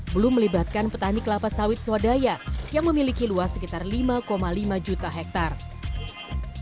belum melibatkan petani kelapa sawit swadaya yang memiliki luas sekitar lima lima juta hektare